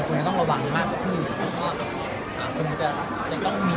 คุณจะต้องระวังมากกว่าพี่คุณก็ต้องมีทางคิดได้ที่ดีกว่าพี่